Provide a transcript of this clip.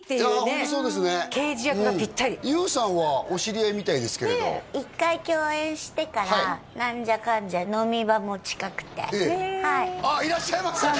ホントそうですね刑事役がピッタリＹＯＵさんはお知り合いみたいですけれど１回共演してから何じゃかんじゃ飲み場も近くてへえあっいらっしゃいましたね